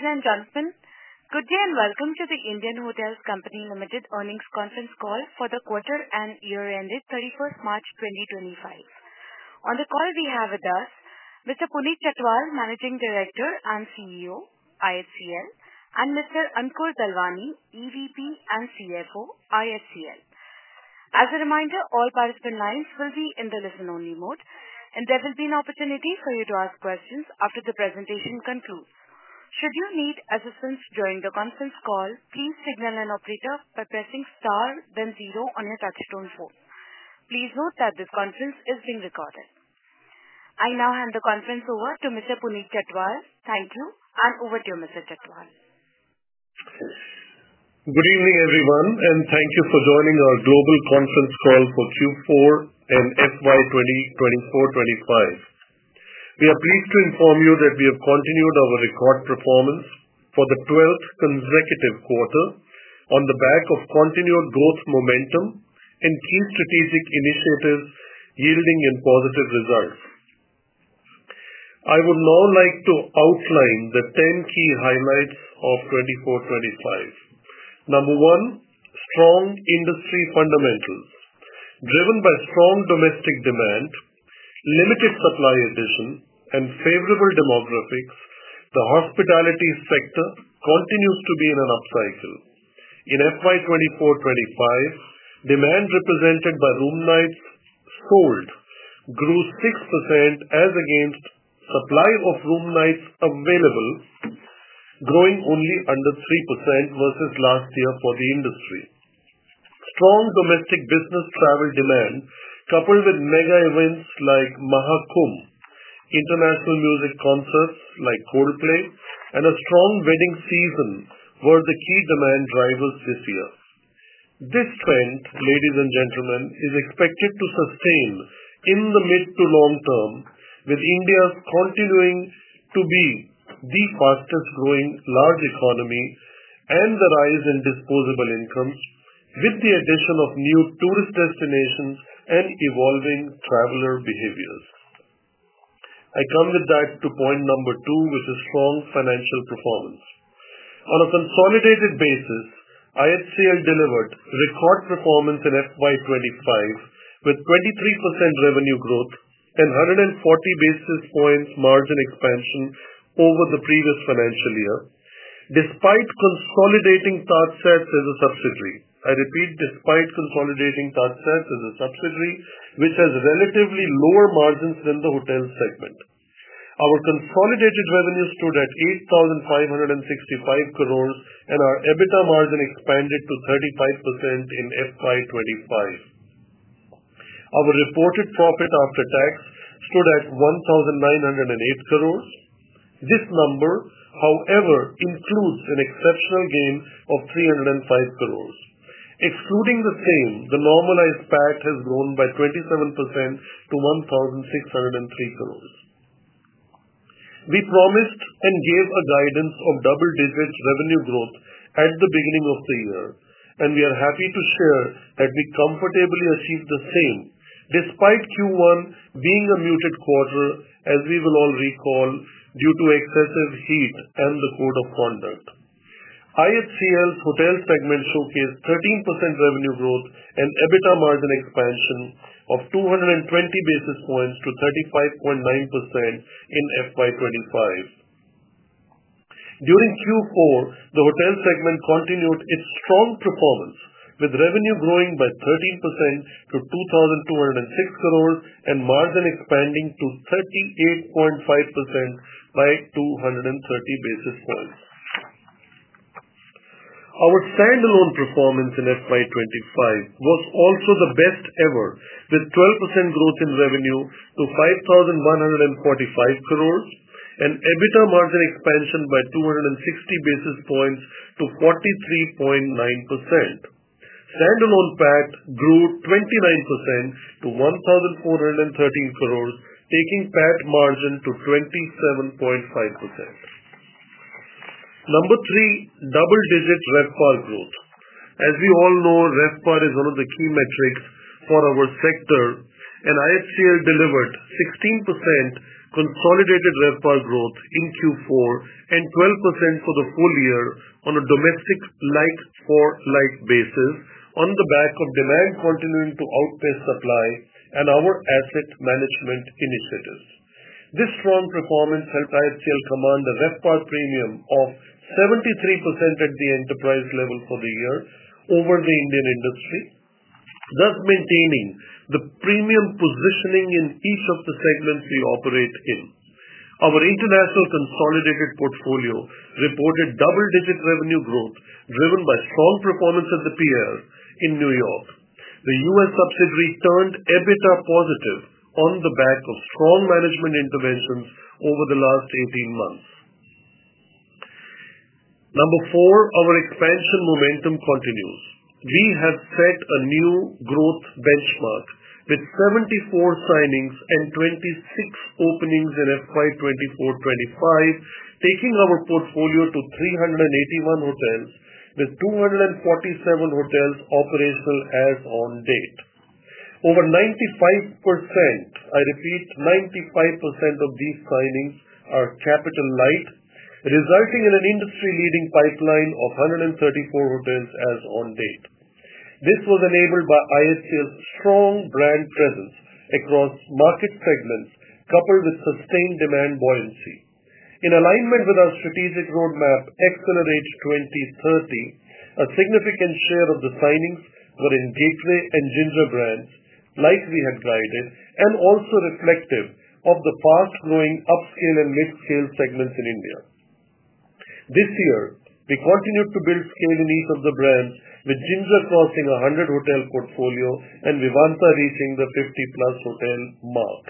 Ladies and gentlemen, good day and welcome to the Indian Hotels Company Limited earnings conference call for the quarter and year-end date 31 March 2025. On the call, we have with us Mr. Puneet Chhatwal, Managing Director and CEO, IHCL, and Mr. Ankur Dalwani, EVP and CFO, IHCL. As a reminder, all participant lines will be in the listen-only mode, and there will be an opportunity for you to ask questions after the presentation concludes. Should you need assistance during the conference call, please signal an operator by pressing star, then zero on your touchstone phone. Please note that this conference is being recorded. I now hand the conference over to Mr. Puneet Chhatwal. Thank you, and over to you, Mr. Chhatwal. Good evening, everyone, and thank you for joining our global conference call for Q4 and FY 2024-2025. We are pleased to inform you that we have continued our record performance for the 12th consecutive quarter on the back of continued growth momentum and key strategic initiatives yielding positive results. I would now like to outline the 10 key highlights of 2024-2025. Number one, strong industry fundamentals. Driven by strong domestic demand, limited supply addition, and favorable demographics, the hospitality sector continues to be in an upcycle. In FY 2024-2025, demand represented by room nights sold grew 6% as against supply of room nights available, growing only under 3% versus last year for the industry. Strong domestic business travel demand, coupled with mega events like Mahakumbh, international music concerts like Coldplay, and a strong wedding season were the key demand drivers this year. This trend, ladies and gentlemen, is expected to sustain in the mid to long term, with India continuing to be the fastest-growing large economy and the rise in disposable incomes with the addition of new tourist destinations and evolving traveler behaviors. I come with that to point number two, which is strong financial performance. On a consolidated basis, IHCL delivered record performance in FY 2025 with 23% revenue growth and 140 basis points margin expansion over the previous financial year, despite consolidating TajSATS as a subsidiary. I repeat, despite consolidating TajSATS as a subsidiary, which has relatively lower margins than the hotel segment. Our consolidated revenue stood at 8,565 crore, and our EBITDA margin expanded to 35% in FY 2025. Our reported profit after tax stood at 1,908 crore. This number, however, includes an exceptional gain of 305 crore. Excluding the same, the normalized PAT has grown by 27% to 1,603 crores. We promised and gave a guidance of double-digit revenue growth at the beginning of the year, and we are happy to share that we comfortably achieved the same despite Q1 being a muted quarter, as we will all recall, due to excessive heat and the code of conduct. IHCL's hotel segment showcased 13% revenue growth and EBITDA margin expansion of 220 basis points to 35.9% in FY 2025. During Q4, the hotel segment continued its strong performance, with revenue growing by 13% to 2,206 crores and margin expanding to 38.5% by 230 basis points. Our standalone performance in FY 2025 was also the best ever, with 12% growth in revenue to INR 5,145 crores and EBITDA margin expansion by 260 basis points to 43.9%. Standalone PAT grew 29% to 1,413 crores, taking PAT margin to 27.5%. Number three, double-digit RevPAR growth. As we all know, RevPAR is one of the key metrics for our sector, and IHCL delivered 16% consolidated RevPAR growth in Q4 and 12% for the full year on a domestic like-for-like basis on the back of demand continuing to outpace supply and our asset management initiatives. This strong performance helped IHCL command a RevPAR premium of 73% at the enterprise level for the year over the Indian industry, thus maintaining the premium positioning in each of the segments we operate in. Our international consolidated portfolio reported double-digit revenue growth driven by strong performance at The Pierre in New York. The US subsidiary turned EBITDA positive on the back of strong management interventions over the last 18 months. Number four, our expansion momentum continues. We have set a new growth benchmark with 74 signings and 26 openings in FY 2024-2025, taking our portfolio to 381 hotels, with 247 hotels operational as of date. Over 95%, I repeat, 95% of these signings are capital-light, resulting in an industry-leading pipeline of 134 hotels as of date. This was enabled by IHCL's strong brand presence across market segments, coupled with sustained demand buoyancy. In alignment with our strategic roadmap, Accelerate 2030, a significant share of the signings were in Gateway and Ginger brands, like we had guided, and also reflective of the fast-growing upscale and mid-scale segments in India. This year, we continued to build scale in each of the brands, with Ginger crossing a 100-hotel portfolio and Vivanta reaching the 50-plus hotel mark.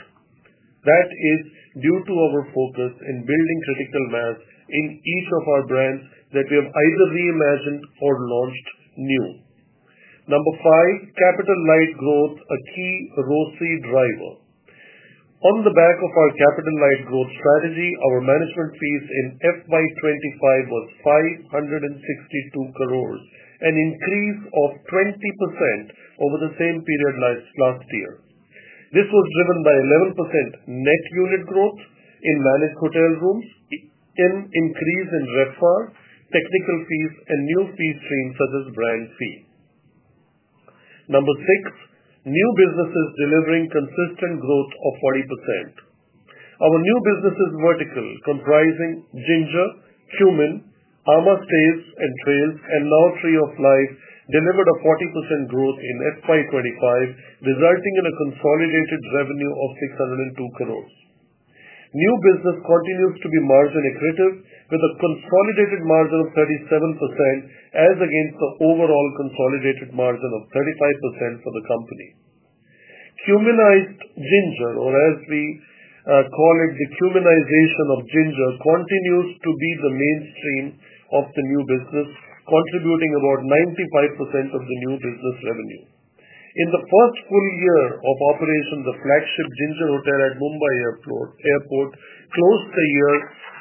That is due to our focus in building critical mass in each of our brands that we have either reimagined or launched new. Number five, capital-light growth, a key ROCE driver. On the back of our capital-light growth strategy, our management fees in FY 2025 was 562 crore, an increase of 20% over the same period last year. This was driven by 11% net unit growth in managed hotel rooms, an increase in RevPAR, technical fees, and new fee streams such as brand fee. Number six, new businesses delivering consistent growth of 40%. Our new businesses vertical comprising Ginger, Qmin, Ama Stays, and Trails, and now Tree of Life delivered a 40% growth in FY 2025, resulting in a consolidated revenue of 602 crore. New business continues to be margin accretive, with a consolidated margin of 37% as against the overall consolidated margin of 35% for the company. Qminized Ginger, or as we call it, the Qminization of Ginger, continues to be the mainstream of the new business, contributing about 95% of the new business revenue. In the first full year of operation, the flagship Ginger Hotel at Mumbai Airport closed the year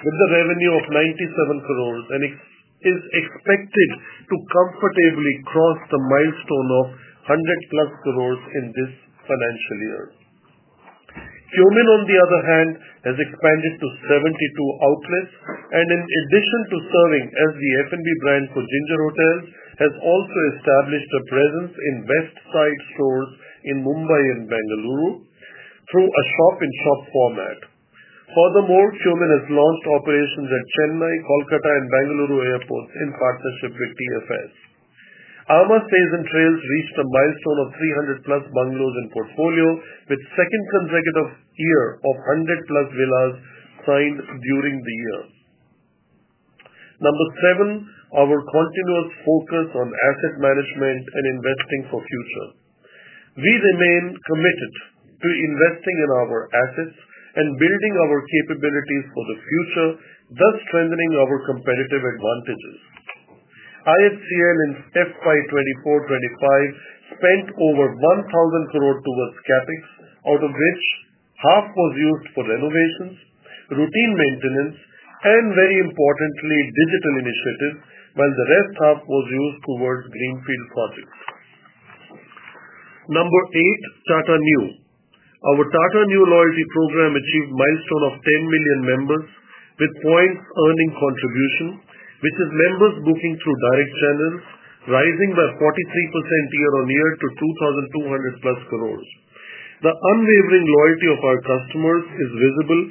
with a revenue of 97 crore and is expected to comfortably cross the milestone of 100-plus crore in this financial year. Qmin, on the other hand, has expanded to 72 outlets, and in addition to serving as the F&B brand for Ginger Hotels, has also established a presence in Westside stores in Mumbai and Bengaluru through a shop-in-shop format. Furthermore, Qmin has launched operations at Chennai, Kolkata, and Bengaluru airports in partnership with TFS. Ama Stays and Trails reached a milestone of 300-plus bungalows in portfolio, with a second consecutive year of 100-plus villas signed during the year. Number seven, our continuous focus on asset management and investing for future. We remain committed to investing in our assets and building our capabilities for the future, thus strengthening our competitive advantages. IHCL in FY 2024-2025 spent over 1,000 crore towards CapEx, out of which half was used for renovations, routine maintenance, and very importantly, digital initiatives, while the rest half was used towards greenfield projects. Number eight, Tata Neu. Our Tata Neu loyalty program achieved a milestone of 10 million members with points earning contribution, which is members booking through direct channels, rising by 43% year-on-year to 2,200-plus crore. The unwavering loyalty of our customers is visible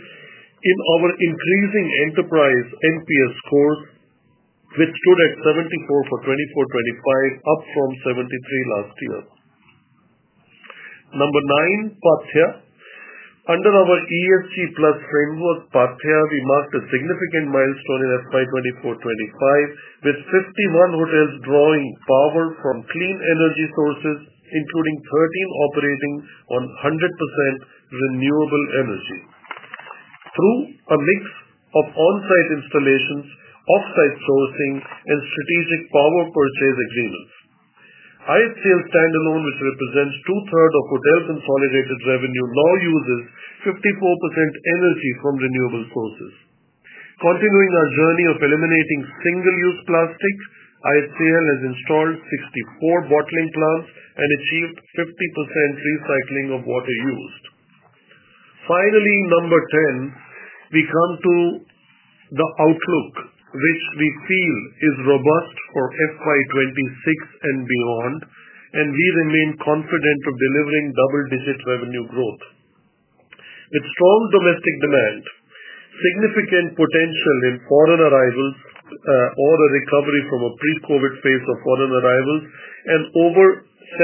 in our increasing enterprise NPS scores, which stood at 74 for 2024-2025, up from 73 last year. Number nine, Paathya. Under our ESG-plus framework, Paathya, we marked a significant milestone in FY 2024-2025, with 51 hotels drawing power from clean energy sources, including 13 operating on 100% renewable energy through a mix of on-site installations, off-site sourcing, and strategic power purchase agreements. IHCL standalone, which represents two-thirds of hotel consolidated revenue, now uses 54% energy from renewable sources. Continuing our journey of eliminating single-use plastic, IHCL has installed 64 bottling plants and achieved 50% recycling of water used. Finally, number ten, we come to the outlook, which we feel is robust for FY 2026 and beyond, and we remain confident of delivering double-digit revenue growth. With strong domestic demand, significant potential in foreign arrivals, or a recovery from a pre-COVID phase of foreign arrivals, and over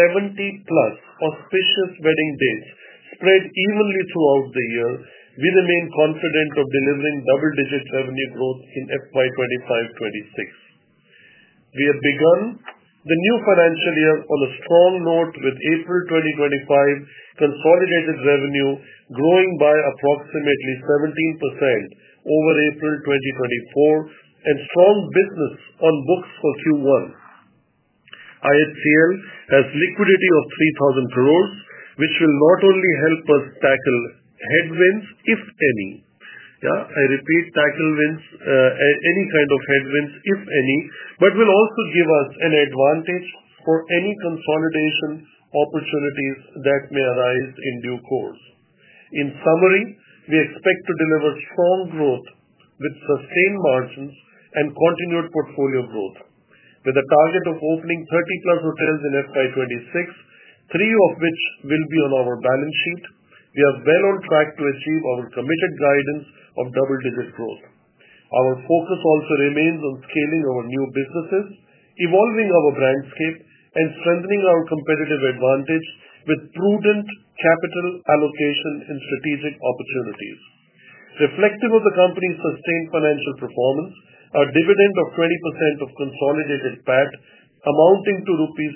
70-plus auspicious wedding dates spread evenly throughout the year, we remain confident of delivering double-digit revenue growth in FY 2025-2026. We have begun the new financial year on a strong note, with April 2025 consolidated revenue growing by approximately 17% over April 2024 and strong business on books for Q1. IHCL has liquidity of 3,000 crore, which will not only help us tackle headwinds, if any. I repeat, tackle winds, any kind of headwinds, if any, but will also give us an advantage for any consolidation opportunities that may arise in due course. In summary, we expect to deliver strong growth with sustained margins and continued portfolio growth. With a target of opening 30-plus hotels in FY 2026, three of which will be on our balance sheet, we are well on track to achieve our committed guidance of double-digit growth. Our focus also remains on scaling our new businesses, evolving our brand scape, and strengthening our competitive advantage with prudent capital allocation and strategic opportunities. Reflective of the company's sustained financial performance, a dividend of 20% of consolidated PAT amounting to rupees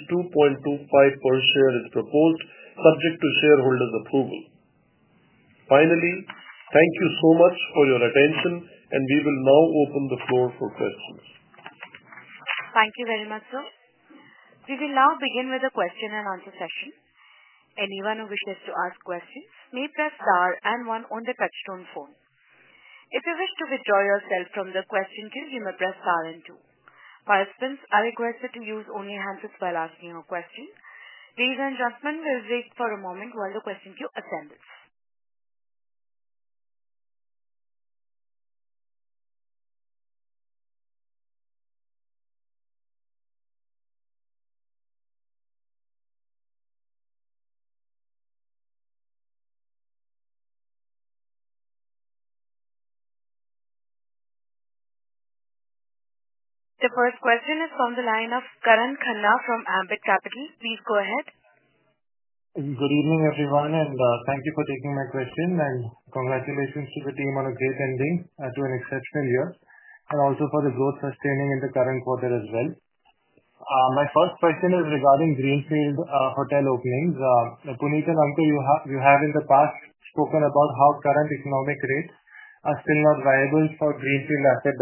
2.25 per share is proposed, subject to shareholders' approval. Finally, thank you so much for your attention, and we will now open the floor for questions. Thank you very much, sir. We will now begin with a question and answer session. Anyone who wishes to ask questions may press star and one on the touchstone phone. If you wish to withdraw yourself from the question queue, you may press star and two. Participants are requested to use only hands while asking your question. Ladies and gentlemen, we'll wait for a moment while the question queue assembles. The first question is from the line of Karan Khanna from Ambit Capital. Please go ahead. Good evening, everyone, and thank you for taking my question, and congratulations to the team on a great ending to an exceptional year, and also for the growth sustaining in the current quarter as well. My first question is regarding greenfield hotel openings. Puneet and Ankur, you have in the past spoken about how current economic rates are still not viable for greenfield asset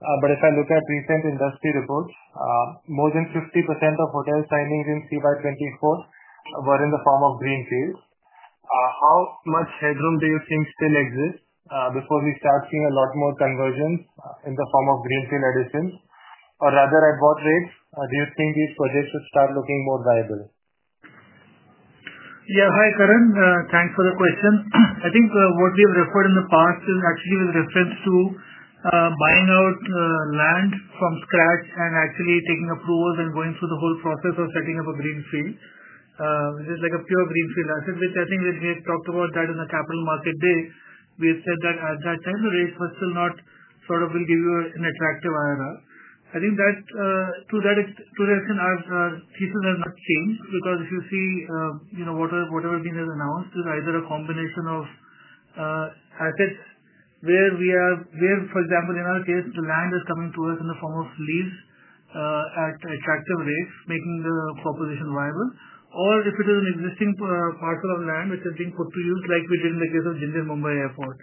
developments. If I look at recent industry reports, more than 50% of hotel signings in calendar year 2024 were in the form of greenfields. How much headroom do you think still exists before we start seeing a lot more conversions in the form of greenfield additions, or rather, at what rate do you think these projects would start looking more viable? Yeah, hi, Karan. Thanks for the question.I think what we have referred in the past is actually with reference to buying out land from scratch and actually taking approvals and going through the whole process of setting up a greenfield, which is like a pure greenfield asset, which I think we have talked about that in the capital market day. We have said that at that time, the rates were still not sort of will give you an attractive IRR. I think that to that extent, our thesis has not changed because if you see whatever has been announced, it's either a combination of assets where we have, for example, in our case, the land is coming to us in the form of lease at attractive rates, making the proposition viable, or if it is an existing parcel of land which is being put to use like we did in the case of Ginger Mumbai Airport.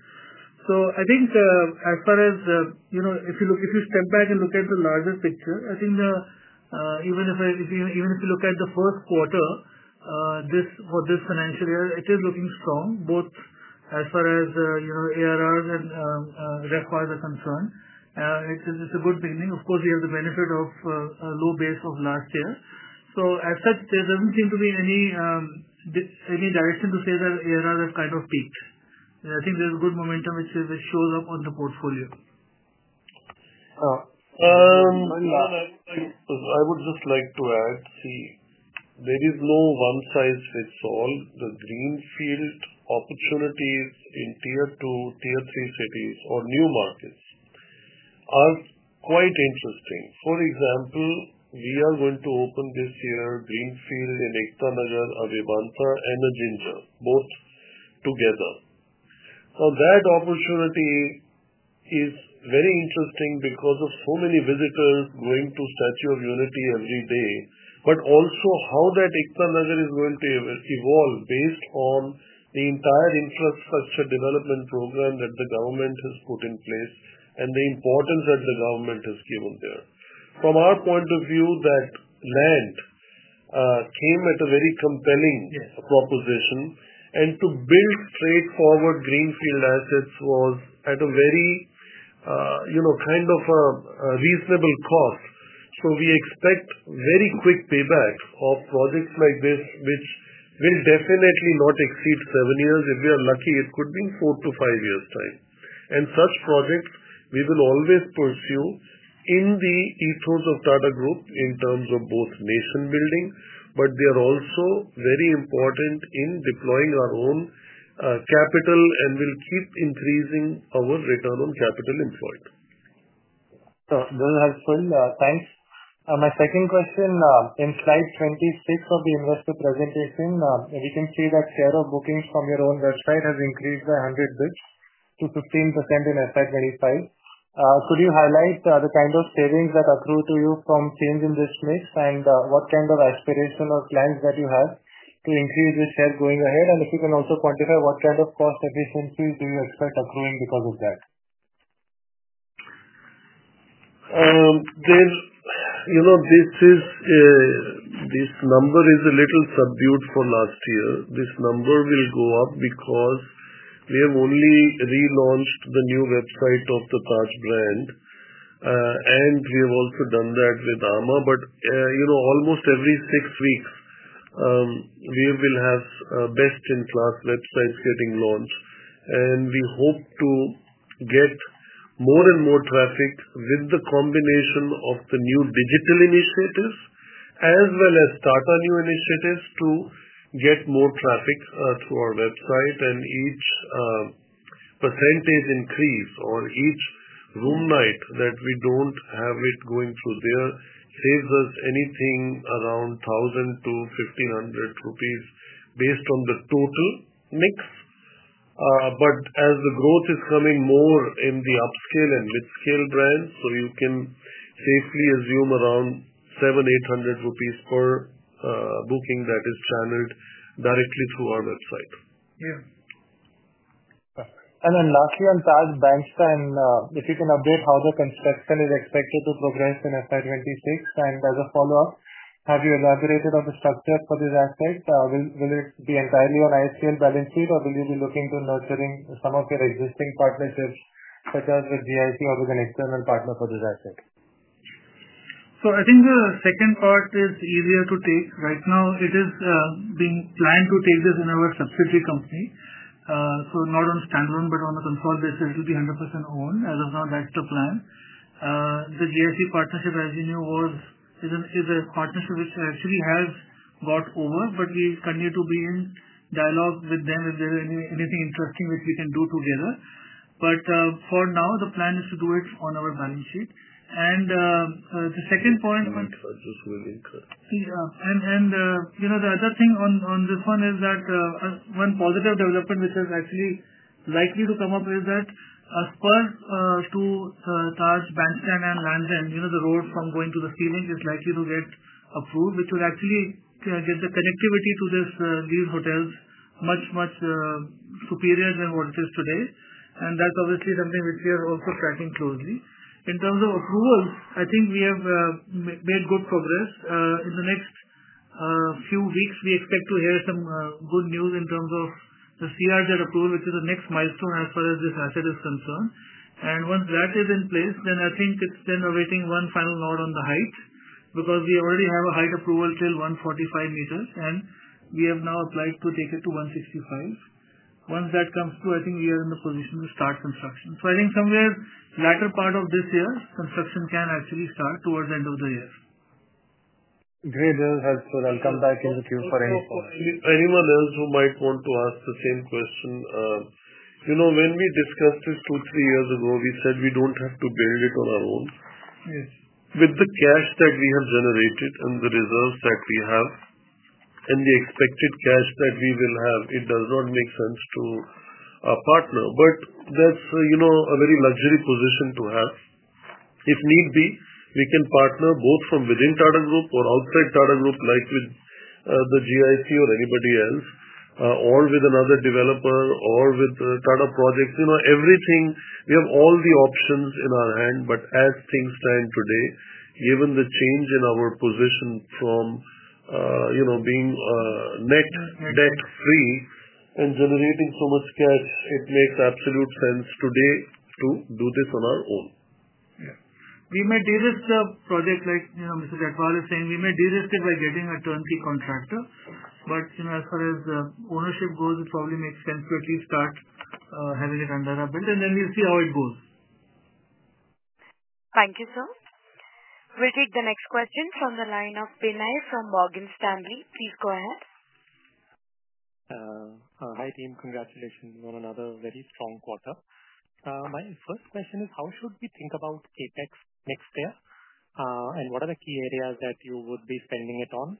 I think as far as if you step back and look at the larger picture, I think even if you look at the first quarter for this financial year, it is looking strong, both as far as ARRs and RevPARs are concerned. It's a good beginning. Of course, we have the benefit of a low base of last year. As such, there doesn't seem to be any direction to say that ARRs have kind of peaked. I think there's good momentum which shows up on the portfolio. I would just like to add, see, there is no one-size-fits-all. The greenfield opportunities in tier two, tier three cities or new markets are quite interesting. For example, we are going to open this year greenfield in Ekta Nagar, Vivanta and Ginger, both together. Now, that opportunity is very interesting because of so many visitors going to Statue of Unity every day, but also how that Ekta Nagar is going to evolve based on the entire infrastructure development program that the government has put in place and the importance that the government has given there. From our point of view, that land came at a very compelling proposition, and to build straightforward greenfield assets was at a very kind of a reasonable cost. We expect very quick payback of projects like this, which will definitely not exceed seven years. If we are lucky, it could be four to five years' time. Such projects we will always pursue in the ethos of Tata Group in terms of both nation building, but they are also very important in deploying our own capital and will keep increasing our return on capital employed. Those are explained. Thanks. My second question, in slide 26 of the investor presentation, we can see that share of bookings from your own website has increased by 100 basis points to 15% in FY 2025. Could you highlight the kind of savings that accrue to you from change in this mix and what kind of aspiration or plans that you have to increase this share going ahead? If you can also quantify what kind of cost efficiencies do you expect accruing because of that? This number is a little subdued for last year. This number will go up because we have only relaunched the new website of the Taj brand, and we have also done that with Ama. Almost every six weeks, we will have best-in-class websites getting launched, and we hope to get more and more traffic with the combination of the new digital initiatives as well as Tata Neu initiatives to get more traffic through our website. Each percentage increase or each room night that we do not have it going through there saves us anything around 1,000-1,500 rupees based on the total mix. As the growth is coming more in the upscale and mid-scale brands, you can safely assume around 700-800 rupees per booking that is channeled directly through our website. Yeah. Lastly, on Taj Bandstand, if you can update how the construction is expected to progress in FY 2026. As a follow-up, have you elaborated on the structure for this asset? Will it be entirely on IHCL balance sheet, or will you be looking to nurturing some of your existing partnerships such as with GIC or with an external partner for this asset? I think the second part is easier to take. Right now, it is being planned to take this in our subsidiary company. Not on standalone, but on a consolidated, it will be 100% owned. As of now, that's the plan. The GIC partnership, as you knew, is a partnership which actually has got over, but we continue to be in dialogue with them if there is anything interesting which we can do together. For now, the plan is to do it on our balance sheet. The second point. I just will incorrect. The other thing on this one is that one positive development which is actually likely to come up is that as per Taj Lands End, the road going to the sea link is likely to get approved, which will actually get the connectivity to these hotels much, much superior than what it is today. That is obviously something which we are also tracking closely. In terms of approvals, I think we have made good progress. In the next few weeks, we expect to hear some good news in terms of the CRZ approval, which is the next milestone as far as this asset is concerned. Once that is in place, then I think it is then awaiting one final nod on the height because we already have a height approval till 145 meters, and we have now applied to take it to 165. Once that comes through, I think we are in the position to start construction. I think somewhere latter part of this year, construction can actually start towards the end of the year. Great. Those are helpful. I'll come back in the queue for any question. Anyone else who might want to ask the same question? When we discussed this two, three years ago, we said we don't have to build it on our own. With the cash that we have generated and the reserves that we have and the expected cash that we will have, it does not make sense to partner. That's a very luxury position to have. If need be, we can partner both from within Tata Group or outside Tata Group, like with GIC or anybody else, or with another developer or with Tata Projects.We have all the options in our hand, but as things stand today, given the change in our position from being net debt-free and generating so much cash, it makes absolute sense today to do this on our own. Yeah. We may de-risk the project, like Mr. Chhatwal is saying. We may de-risk it by getting a turnkey contractor. As far as ownership goes, it probably makes sense to at least start having it under our belt, and then we'll see how it goes. Thank you, sir. We'll take the next question from the line of Puneet from Morgan Stanley. Please go ahead. Hi, team. Congratulations on another very strong quarter. My first question is, how should we think about CapEx next year? And what are the key areas that you would be spending it on?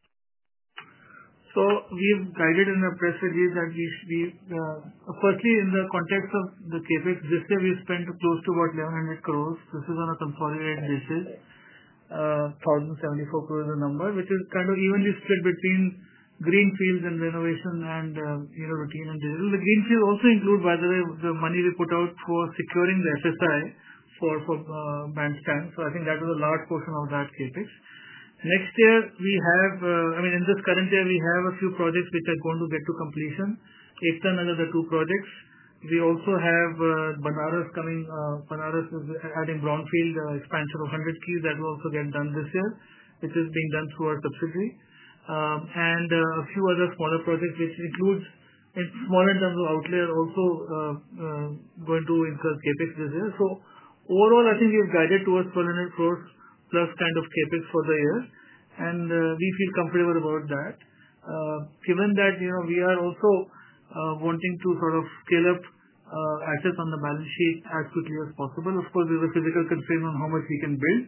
We have guided in a press release that firstly, in the context of the CapEx, this year we've spent close to about 1,100 crore. This is on a consolidated basis, 1,074 crore is the number, which is kind of evenly split between greenfields and renovation and routine and digital. The greenfields also include, by the way, the money we put out for securing the FSI for Bandstand. I think that was a large portion of that CapEx. Next year, I mean, in this current year, we have a few projects which are going to get to completion. Ekta Nagar, the two projects. We also have Varanasi coming. Varanasi is adding brownfield expansion of 100 keys that will also get done this year, which is being done through our subsidiary. A few other smaller projects, which includes smaller in terms of outlay, are also going to incur CapEx this year. Overall, I think we have guided towards INR 1,200 crore-plus kind of CapEx for the year, and we feel comfortable about that, given that we are also wanting to sort of scale up assets on the balance sheet as quickly as possible. Of course, there is a physical constraint on how much we can build.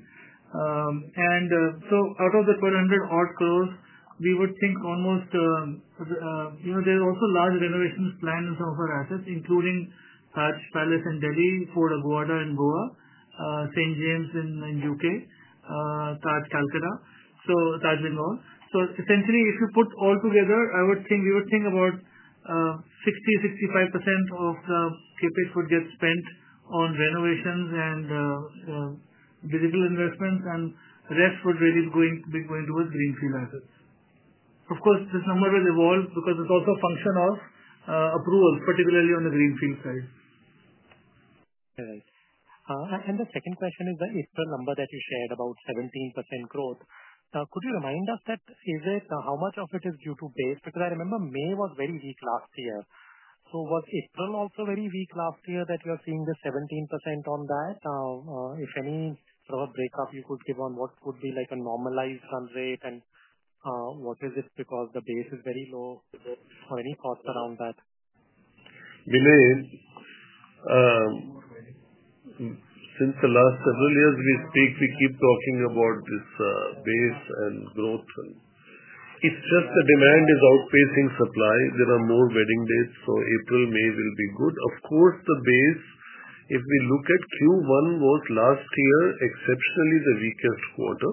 Out of the 1,200-odd crore, we would think almost there are also large renovations planned in some of our assets, including Taj Palace in Delhi, Fort Aguada in Goa, St. James in the U.K., Taj Kolkata, so Taj Mahal. Essentially, if you put all together, I would think we would think about 60% to 65% of the CapEx would get spent on renovations and digital investments, and rest would really be going towards greenfield assets. Of course, this number will evolve because it's also a function of approvals, particularly on the greenfield side. The second question is the April number that you shared about 17% growth. Could you remind us that how much of it is due to base? Because I remember May was very weak last year. Was April also very weak last year that you are seeing this 17% on that? If any, sort of a breakup you could give on what would be like a normalized run rate and what is it because the base is very low or any thoughts around that? Puneet, since the last several years we speak, we keep talking about this base and growth. It's just the demand is outpacing supply. There are more wedding days, so April, May will be good. Of course, the base, if we look at Q1, was last year exceptionally the weakest quarter.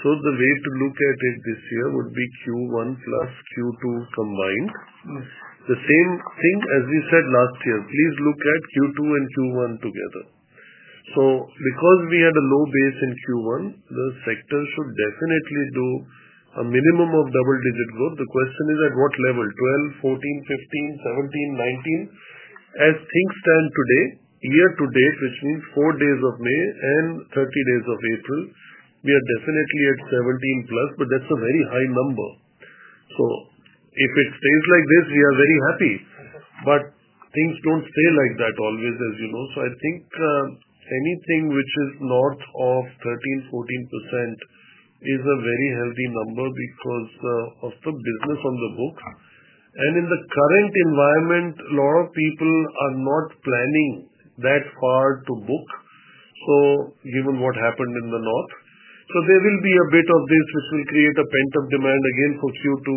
The way to look at it this year would be Q1 plus Q2 combined. The same thing, as we said last year, please look at Q2 and Q1 together. Because we had a low base in Q1, the sector should definitely do a minimum of double-digit growth. The question is at what level? 12, 14, 15, 17, 19? As things stand today, year to date, which means four days of May and 30 days of April, we are definitely at 17% plus, but that's a very high number. If it stays like this, we are very happy. Things do not stay like that always, as you know. I think anything which is north of 13-14% is a very healthy number because of the business on the books. In the current environment, a lot of people are not planning that far to book. Given what happened in the north, there will be a bit of this which will create a pent-up demand again for Q2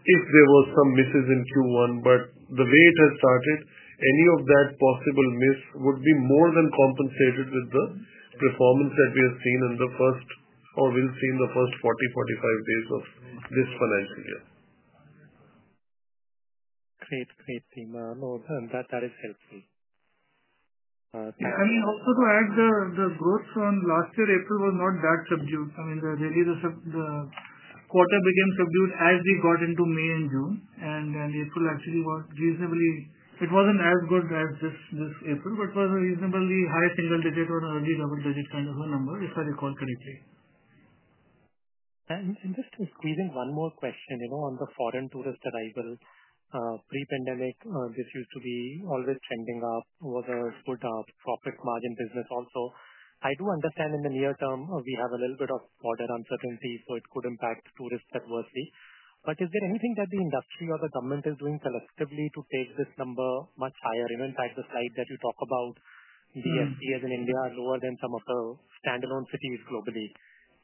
if there were some misses in Q1. The way it has started, any of that possible miss would be more than compensated with the performance that we have seen in the first or will see in the first 40-45 days of this financial year. Great. team. No, that is helpful. Thank you. I mean, also to add, the growth on last year, April, was not that subdued.I mean, really, the quarter became subdued as we got into May and June. April actually was reasonably, it wasn't as good as this April, but was a reasonably high single-digit or early double-digit kind of a number, if I recall correctly. Just squeezing one more question on the foreign tourist arrival. Pre-pandemic, this used to be always trending up, was a good profit margin business also. I do understand in the near term we have a little bit of border uncertainty, so it could impact tourists adversely. Is there anything that the industry or the government is doing collectively to take this number much higher? In fact, the slide that you talk about, BSP as in India, lower than some of the standalone cities globally.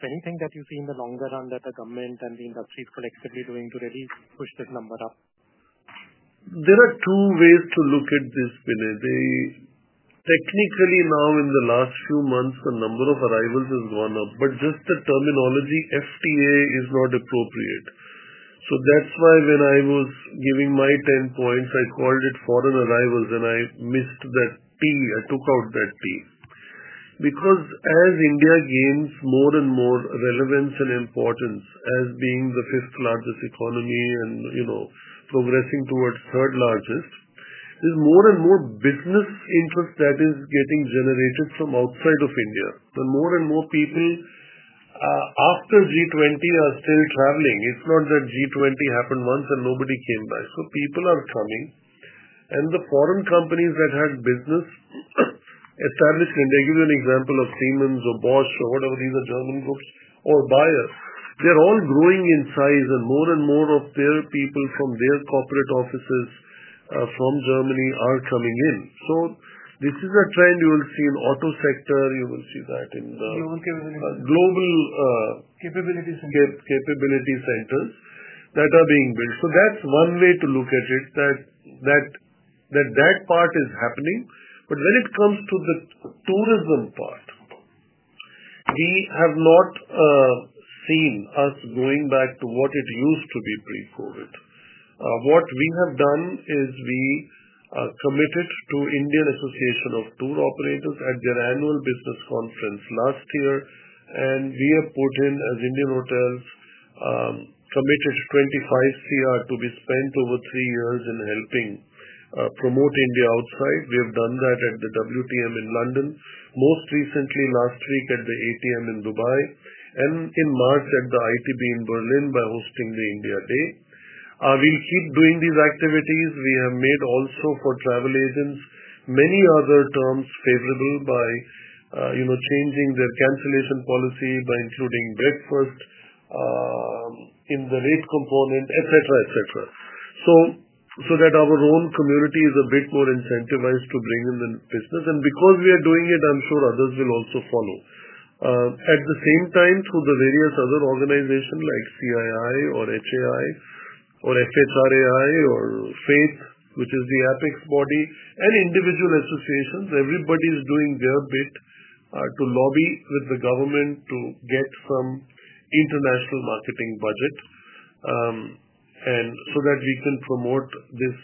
Anything that you see in the longer run that the government and the industry is collectively doing to really push this number up? There are two ways to look at this, Puneet. Technically, now in the last few months, the number of arrivals has gone up, but just the terminology FTA is not appropriate. That is why when I was giving my 10 points, I called it foreign arrivals, and I missed that T. I took out that T. Because as India gains more and more relevance and importance as being the fifth largest economy and progressing towards third largest, there is more and more business interest that is getting generated from outside of India. More and more people, after G20, are still traveling. It is not that G20 happened once and nobody came back. People are coming. The foreign companies that had business established, and they give you an example of Siemens or Bosch or whatever, these are German groups, or Bayer, they're all growing in size, and more and more of their people from their corporate offices from Germany are coming in. This is a trend you will see in auto sector. You will see that in the global capability centers. Capability centers. Capability centers that are being built. That's one way to look at it, that that part is happening. When it comes to the tourism part, we have not seen us going back to what it used to be pre-COVID. What we have done is we committed to Indian Association of Tour Operators at their annual business conference last year, and we have put in, as Indian Hotels committed, 25 crore to be spent over three years in helping promote India outside. We have done that at the WTM in London, most recently last week at the ATM in Dubai, and in March at the ITB in Berlin by hosting the India Day. We will keep doing these activities. We have made also for travel agents many other terms favorable by changing their cancellation policy, by including breakfast in the rate component, etc., so that our own community is a bit more incentivized to bring in the business. Because we are doing it, I am sure others will also follow. At the same time, through the various other organizations like CII or HAI or FHRAI or FAITH, which is the apex body, and individual associations, everybody is doing their bit to lobby with the government to get some international marketing budget so that we can promote this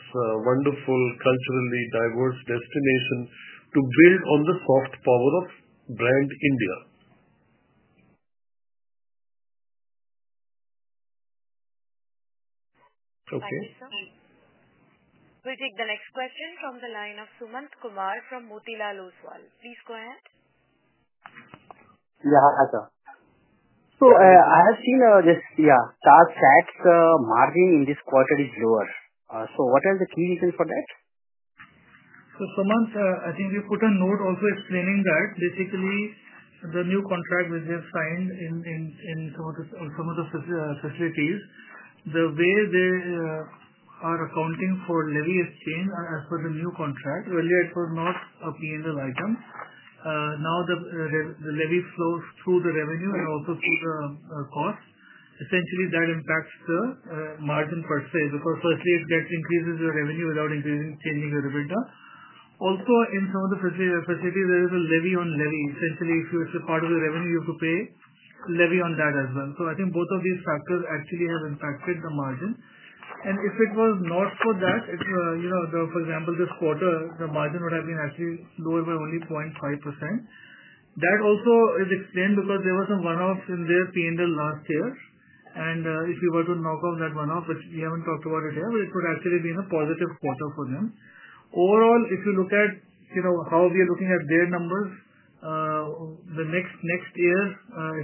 wonderful culturally diverse destination to build on the soft power of Brand India. Okay. We'll take the next question from the line of Sumant Kumar from Motilal Oswal. Please go ahead. Yeah. Hi, sir. So I have seen this TajSATS margin in this quarter is lower. What are the key reasons for that? Sumant, I think we put a note also explaining that basically the new contract which they have signed in some of the facilities, the way they are accounting for levy exchange as per the new contract. Earlier, it was not a P&L item. Now the levy flows through the revenue and also through the cost. Essentially, that impacts the margin per se because firstly, it increases your revenue without changing your EBITDA. Also, in some of the facilities, there is a levy on levy. Essentially, if you're part of the revenue, you have to pay levy on that as well. I think both of these factors actually have impacted the margin. If it was not for that, for example, this quarter, the margin would have been actually lower by only 0.5%. That also is explained because there was a one-off in their P&L last year. If you were to knock off that one-off, which we haven't talked about it yet, it would actually be in a positive quarter for them. Overall, if you look at how we are looking at their numbers, the next year,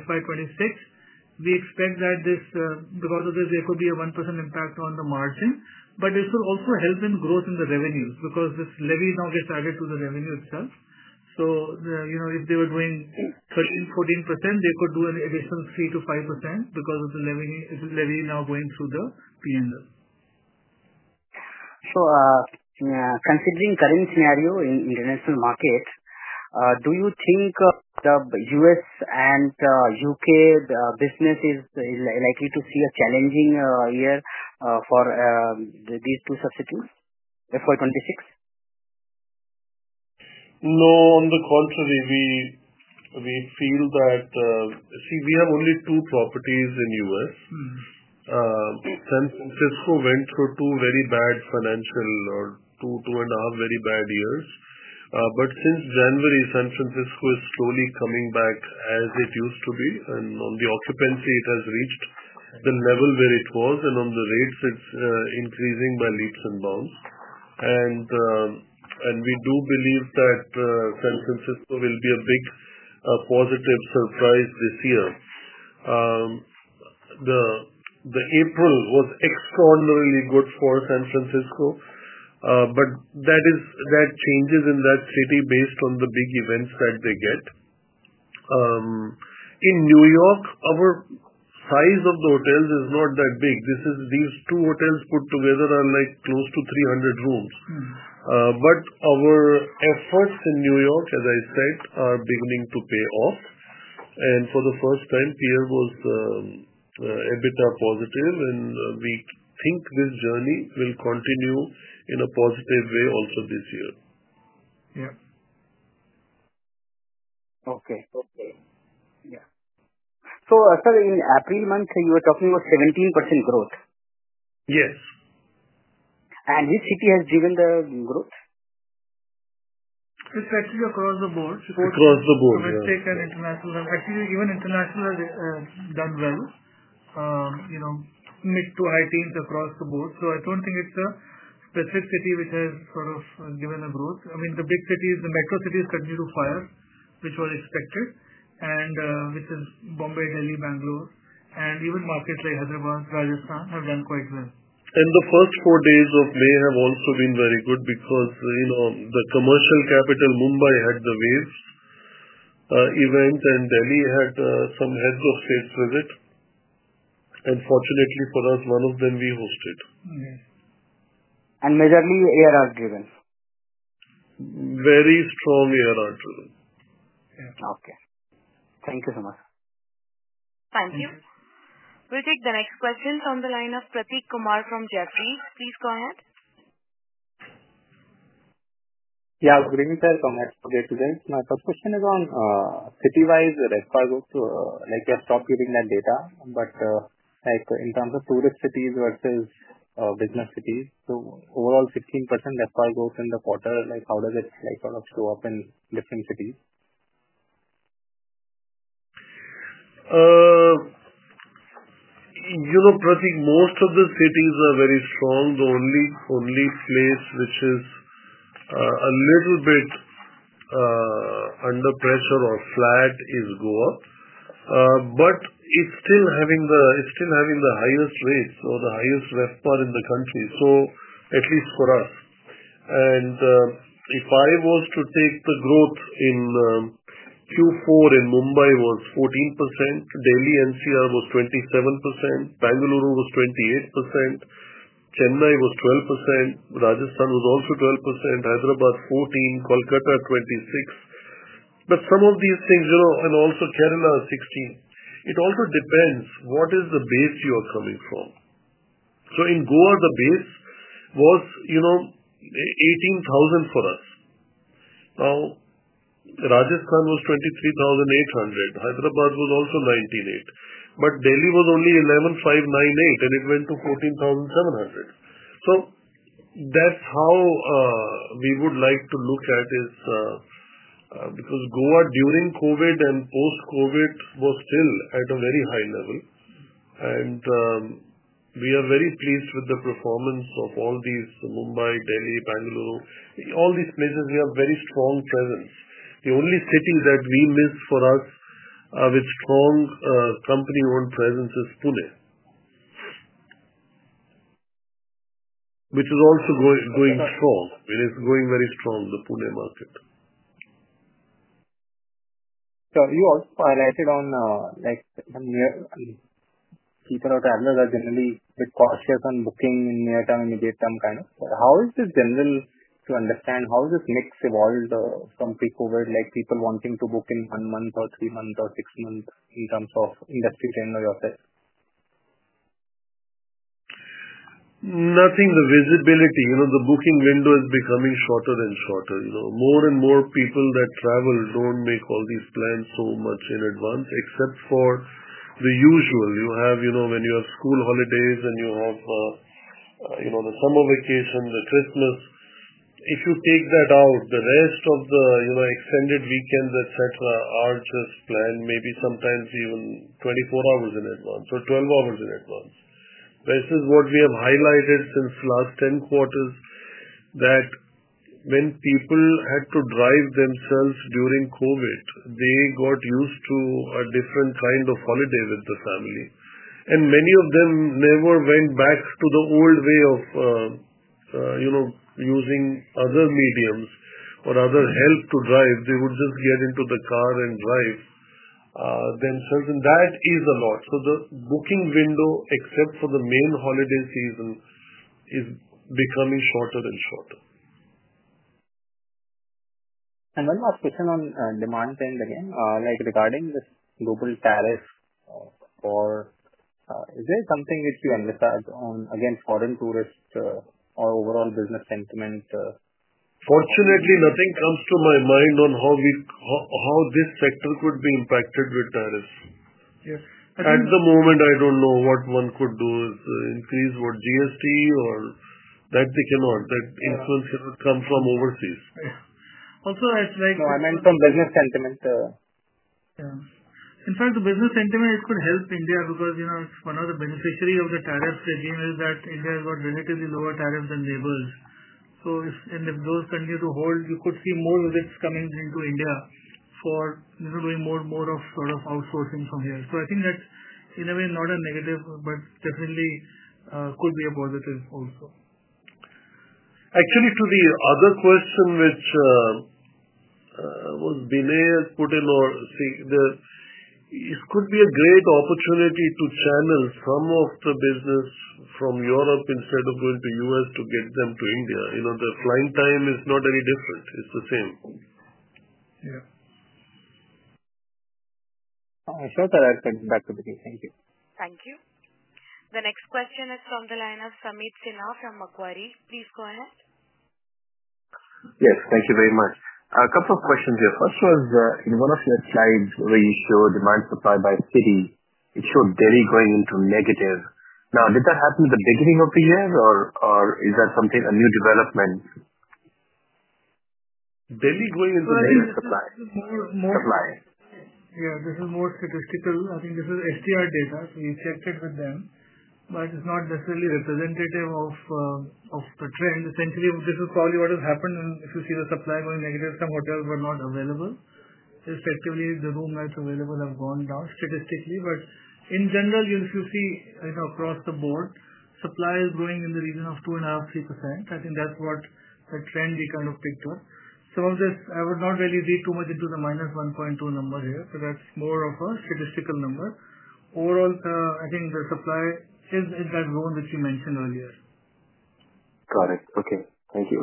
FY 2026, we expect that because of this, there could be a 1% impact on the margin. This will also help in growth in the revenues because this levy now gets added to the revenue itself. If they were doing 13-14%, they could do an additional 3-5% because of the levy now going through the P&L. Considering current scenario in international market, do you think the U.S. and U.K. business is likely to see a challenging year for these two subsidiaries, FY 2026? No. On the contrary, we feel that see, we have only two properties in the U.S. San Francisco went through two very bad financial or two and a half very bad years. Since January, San Francisco is slowly coming back as it used to be. On the occupancy, it has reached the level where it was. On the rates, it is increasing by leaps and bounds. We do believe that San Francisco will be a big positive surprise this year. April was extraordinarily good for San Francisco, but that changes in that city based on the big events that they get. In New York, our size of the hotels is not that big. These two hotels put together are close to 300 rooms. Our efforts in New York, as I said, are beginning to pay off. For the first time, Pierre was EBITDA positive, and we think this journey will continue in a positive way also this year. Yeah. Okay. Yeah. Sir, in April month, you were talking about 17% growth. Yes. Which city has driven the growth? It is actually across the board. Across the board. Yeah. Domestic and international. Actually, even international has done well, mid to high teens across the board. I do not think it is a specific city which has sort of given a growth. I mean, the big cities, the metro cities continue to fire, which was expected, and which is Bombay, Delhi, Bangalore. Even markets like Hyderabad, Rajasthan have done quite well. The first four days of May have also been very good because the commercial capital, Mumbai, had the Uncertain, and Delhi had some heads of state visit. Fortunately for us, one of them we hosted. Majorly, ARR driven? Very strong ARR driven. Yeah. Okay. Thank you, Sumanth. Thank you. We will take the next question from the line of Prateek Kumar from Jefferies. Please go ahead. Yeah. Good evening, sir. Congrats for the event. My first question is on city-wise RevPAR growth. You have stopped giving that data, but in terms of tourist cities versus business cities, so overall 15% RevPAR growth in the quarter, how does it sort of show up in different cities? Prateek, most of the cities are very strong. The only place which is a little bit under pressure or flat is Goa. It is still having the highest rates or the highest RevPAR in the country, at least for us. If I was to take the growth in Q4 in Mumbai, it was 14%. Delhi NCR was 27%. Bengaluru was 28%. Chennai was 12%. Rajasthan was also 12%. Hyderabad 14%. Kolkata 26%. Some of these things, and also Kerala 16%. It also depends what is the base you are coming from. In Goa, the base was 18,000 for us. Now, Rajasthan was 23,800. Hyderabad was also 19,800. Delhi was only 11,598, and it went to 14,700. That is how we would like to look at it because Goa during COVID and post-COVID was still at a very high level. We are very pleased with the performance of all these Mumbai, Delhi, Bangalore. All these places, we have very strong presence. The only city that we miss for us with strong company-owned presence is Pune, which is also going strong. It is going very strong, the Pune market. You also highlighted on some new people or travelers are generally a bit cautious on booking in near-term, immediate-term kind of. How is this general to understand how has this mix evolved from pre-COVID, people wanting to book in one month or three months or six months in terms of industry trend or yourself? Nothing. The visibility, the booking window is becoming shorter and shorter. More and more people that travel do not make all these plans so much in advance, except for the usual. When you have school holidays and you have the summer vacation, the Christmas, if you take that out, the rest of the extended weekends, etc., are just planned maybe sometimes even 24 hours in advance or 12 hours in advance. This is what we have highlighted since the last 10 quarters, that when people had to drive themselves during COVID, they got used to a different kind of holiday with the family. Many of them never went back to the old way of using other mediums or other help to drive. They would just get into the car and drive themselves. That is a lot. The booking window, except for the main holiday season, is becoming shorter and shorter. One last question on demand trend again, regarding this global tariff, is there something which you emphasize on against foreign tourists or overall business sentiment? Fortunately, nothing comes to my mind on how this sector could be impacted with tariffs. At the moment, I don't know what one could do. Increase what GST or that they cannot. That influence cannot come from overseas. Also, it's like. No, I meant on business sentiment. Yeah. In fact, the business sentiment, it could help India because one of the beneficiaries of the tariff regime is that India has got relatively lower tariffs than neighbors. If those continue to hold, you could see more visits coming into India for doing more of sort of outsourcing from here. I think that, in a way, not a negative, but definitely could be a positive also. Actually, to the other question which was Binay has put in, or see, this could be a great opportunity to channel some of the business from Europe instead of going to the US to get them to India. The flying time is not any different. It's the same. Yeah. Sure, sir. I'll send it back to Prateek. Thank you. Thank you. The next question is from the line of Sumit Sinha from Macquarie. Please go ahead. Yes. Thank you very much. A couple of questions here. First was in one of your slides where you show demand supply by city, it showed Delhi going into negative. Now, did that happen at the beginning of the year, or is that something a new development? Delhi going into negative supply. Supply. Yeah. This is more statistical. I think this is STR data. We checked it with them, but it's not necessarily representative of the trend. Essentially, this is probably what has happened. If you see the supply going negative, some hotels were not available. Effectively, the rooms that are available have gone down statistically. In general, if you see across the board, supply is growing in the region of 2.5%-3%. I think that's what the trend we kind of picked up. I would not really read too much into the -1.2% number here, but that's more of a statistical number. Overall, I think the supply is in that zone which you mentioned earlier. Got it. Okay. Thank you.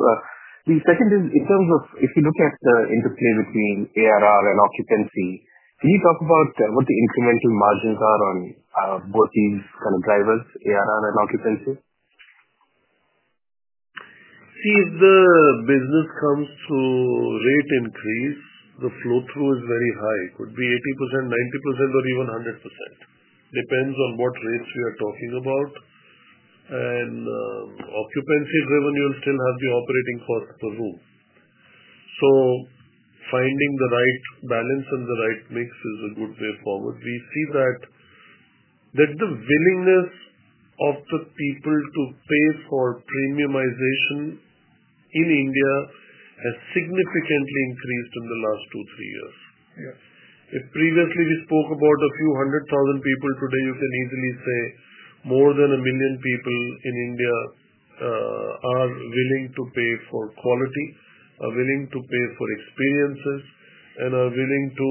The second is in terms of if you look at the interplay between ARR and occupancy, can you talk about what the incremental margins are on both these kind of drivers, ARR and occupancy? See, if the business comes to rate increase, the flow-through is very high. It could be 80%, 90%, or even 100%. Depends on what rates we are talking about. Occupancy driven, you'll still have the operating cost per room. Finding the right balance and the right mix is a good way forward. We see that the willingness of the people to pay for premiumization in India has significantly increased in the last two, three years. If previously we spoke about a few hundred thousand people, today you can easily say more than a million people in India are willing to pay for quality, are willing to pay for experiences, and are willing to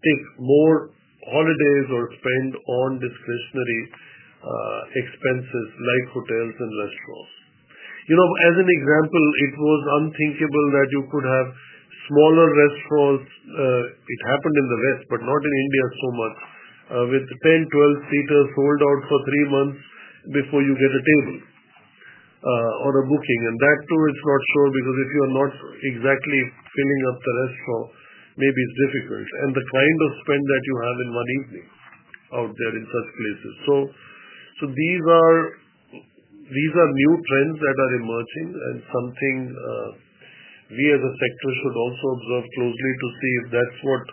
take more holidays or spend on discretionary expenses like hotels and restaurants. As an example, it was unthinkable that you could have smaller restaurants. It happened in the West, but not in India so much, with 10, 12 seaters sold out for three months before you get a table or a booking. That too, it's not sure because if you are not exactly filling up the restaurant, maybe it's difficult. The kind of spend that you have in one evening out there in such places. These are new trends that are emerging and something we as a sector should also observe closely to see if that's what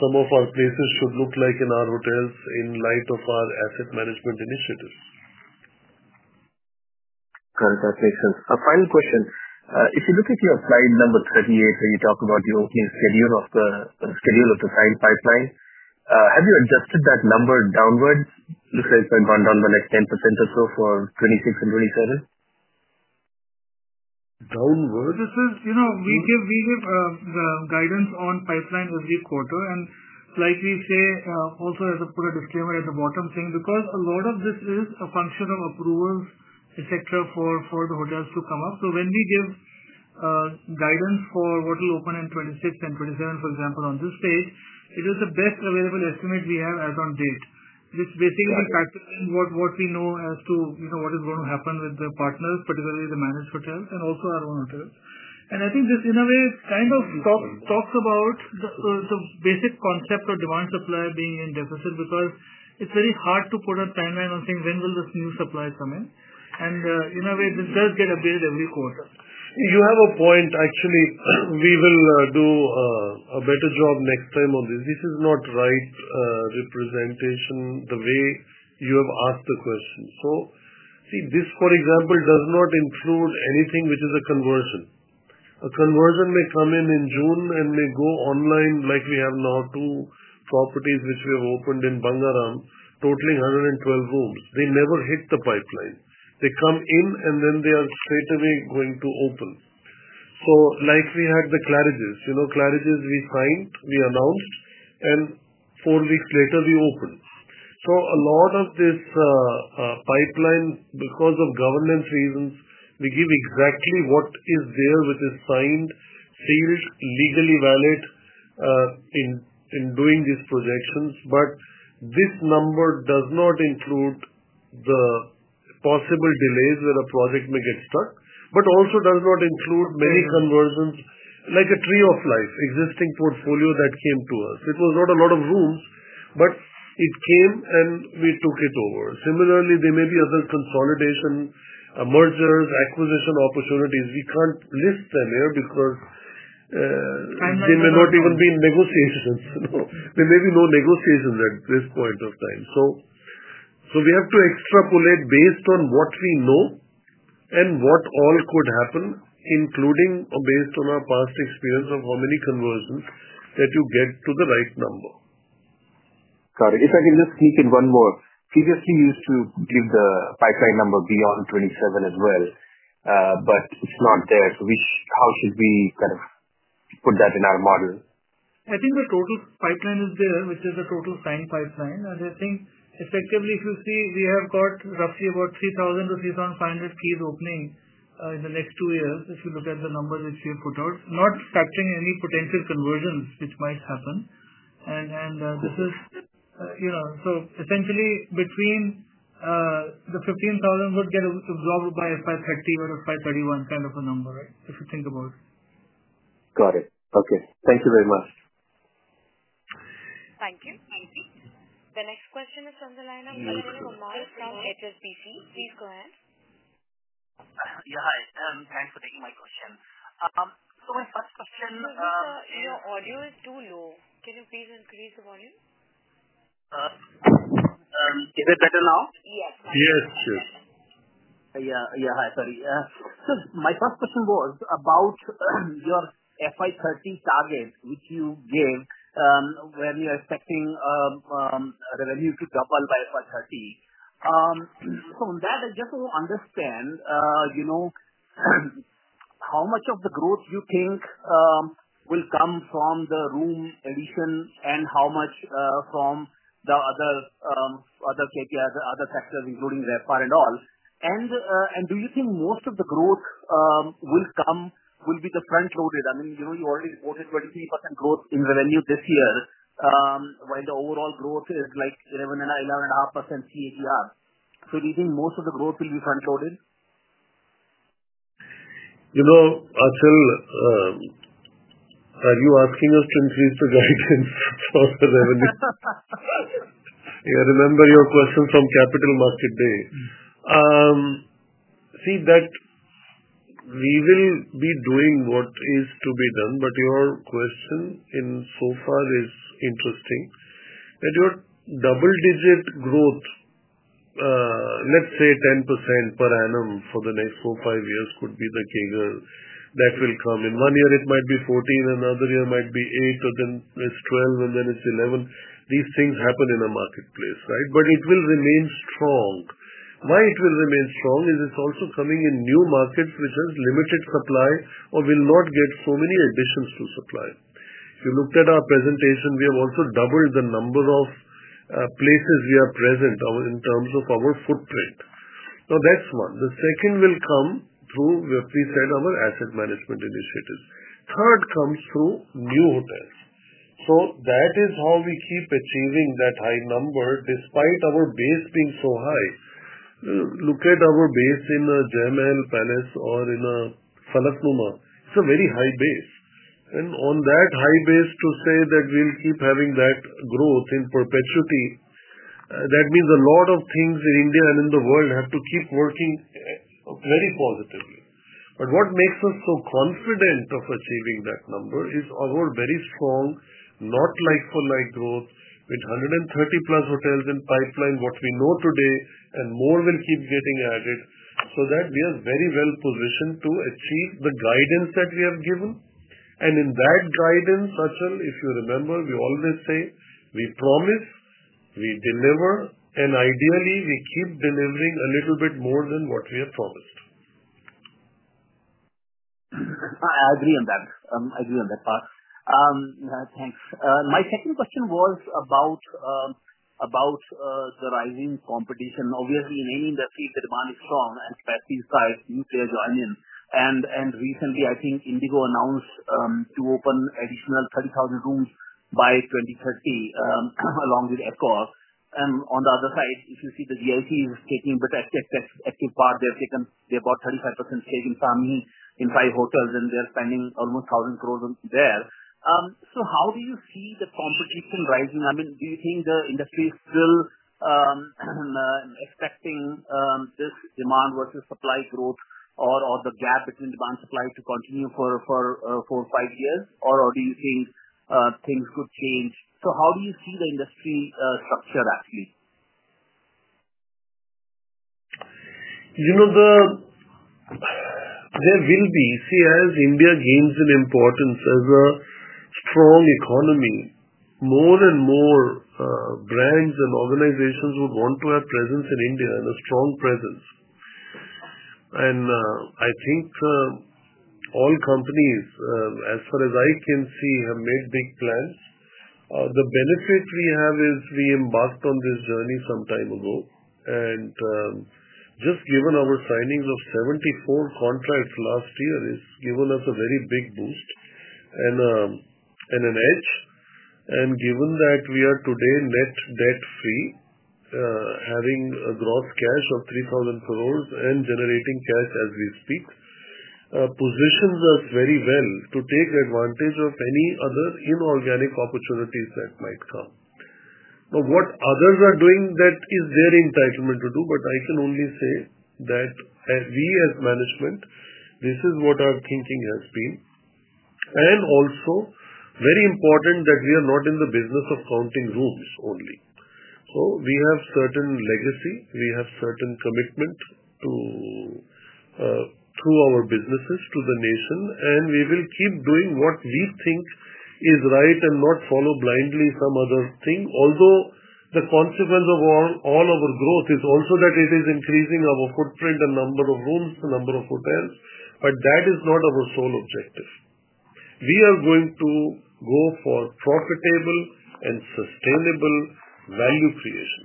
some of our places should look like in our hotels in light of our asset management initiatives. Got it. That makes sense. Final question. If you look at your slide number 38 where you talk about the opening schedule of the signed pipeline, have you adjusted that number downward? Looks like it's gone down by like 10% or so for 2026 and 2027. Downward? We give the guidance on pipeline every quarter. Like we say, also as a disclaimer at the bottom thing, because a lot of this is a function of approvals, etc., for the hotels to come up. When we give guidance for what will open in 2026 and 2027, for example, on this stage, it is the best available estimate we have as on date. It is basically factoring in what we know as to what is going to happen with the partners, particularly the managed hotels and also our own hotels. I think this, in a way, kind of talks about the basic concept of demand supply being in deficit because it is very hard to put a timeline on saying when will this new supply come in. In a way, this does get updated every quarter. You have a point. Actually, we will do a better job next time on this. This is not right representation the way you have asked the question. See, this, for example, does not include anything which is a conversion. A conversion may come in in June and may go online like we have now two properties which we have opened in Bangaram, totaling 112 rooms. They never hit the pipeline. They come in, and then they are straight away going to open. Like we had the Claridges. Claridges we signed, we announced, and four weeks later, we opened. A lot of this pipeline, because of governance reasons, we give exactly what is there which is signed, sealed, legally valid in doing these projections. This number does not include the possible delays where a project may get stuck, but also does not include many conversions like a Tree of Life, existing portfolio that came to us. It was not a lot of rooms, but it came, and we took it over. Similarly, there may be other consolidation, mergers, acquisition opportunities. We cannot list them here because they may not even be in negotiations. There may be no negotiations at this point of time. We have to extrapolate based on what we know and what all could happen, including based on our past experience of how many conversions that you get to the right number. Got it. If I can just sneak in one more. Previously, you used to give the pipeline number beyond 2027 as well, but it is not there. How should we kind of put that in our model? I think the total pipeline is there, which is a total signed pipeline. I think effectively, if you see, we have got roughly about 3,000-3,500 keys opening in the next two years if you look at the numbers which we have put out, not factoring any potential conversions which might happen. This is essentially, between the 15,000 would get absorbed by FY30 or FY31 kind of a number, right, if you think about it. Got it. Okay. Thank you very much. Thank you. Thank you. The next question is from the line of Amol from HSBC. Please go ahead. Yeah. Hi. Thanks for taking my question. My first question is. Your audio is too low. Can you please increase the volume? Is it better now? Yes. Yes. Sure. Yeah. Hi. Sorry. My first question was about your FY2030 target, which you gave when you're expecting revenue to double by FY2030. On that, I just want to understand how much of the growth you think will come from the room addition and how much from the other KPIs, the other factors, including RevPAR and all. Do you think most of the growth will be front-loaded? I mean, you already reported 23% growth in revenue this year, while the overall growth is like 11.5% CAGR. Do you think most of the growth will be front-loaded? Amol, are you asking us to increase the guidance for the revenue? Yeah. Remember your question from Capital Market Day. We will be doing what is to be done, but your question so far is interesting. Your double-digit growth, let's say 10% per annum for the next four, five years, could be the CAGR that will come. In one year, it might be 14. Another year might be 8, or then it's 12, and then it's 11. These things happen in a marketplace, right? It will remain strong. Why it will remain strong is it's also coming in new markets which has limited supply or will not get so many additions to supply. If you looked at our presentation, we have also doubled the number of places we are present in terms of our footprint. That's one. The second will come through, we said, our asset management initiatives. Third comes through new hotels. That is how we keep achieving that high number despite our base being so high. Look at our base in Jai Mahal Palace or in Falaknumaa. It's a very high base. On that high base, to say that we'll keep having that growth in perpetuity, that means a lot of things in India and in the world have to keep working very positively. What makes us so confident of achieving that number is our very strong, not like-for-like growth with 130-plus hotels in pipeline, what we know today, and more will keep getting added. We are very well positioned to achieve the guidance that we have given. In that guidance, Amol, if you remember, we always say, "We promise, we deliver, and ideally, we keep delivering a little bit more than what we have promised." I agree on that. I agree on that part. Thanks. My second question was about the rising competition. Obviously, in any industry, the demand is strong, and especially inside nuclear joining. Recently, I think IHG announced to open additional 30,000 rooms by 2030 along with Accor. If you see, GIC is taking a bit of active part. They've got 35% stake in Samhi in five hotels, and they're spending almost 1,000 crore there. How do you see the competition rising? I mean, do you think the industry is still expecting this demand versus supply growth or the gap between demand and supply to continue for four-five years, or do you think things could change? How do you see the industry structure actually? There will be, as India gains in importance as a strong economy, more and more brands and organizations would want to have presence in India and a strong presence. I think all companies, as far as I can see, have made big plans. The benefit we have is we embarked on this journey some time ago. Just given our signings of 74 contracts last year has given us a very big boost and an edge. Given that we are today net debt-free, having a gross cash of 3,000 crore and generating cash as we speak, positions us very well to take advantage of any other inorganic opportunities that might come. What others are doing, that is their entitlement to do, but I can only say that we as management, this is what our thinking has been. Also, very important that we are not in the business of counting rooms only. We have certain legacy. We have certain commitment through our businesses to the nation, and we will keep doing what we think is right and not follow blindly some other thing. Although the consequence of all our growth is also that it is increasing our footprint, the number of rooms, the number of hotels, but that is not our sole objective. We are going to go for profitable and sustainable value creation.